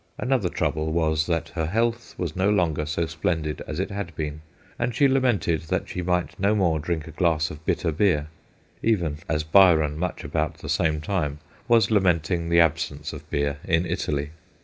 Ajiother trouble was that her health was no longer so splendid as it had been, and she lamented that she might no more drink a glass of bitter beer even as Byron, much about the same time, was lamenting the absence of beer in Italy.